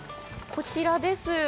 こちらです。